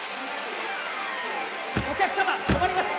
お客様困ります！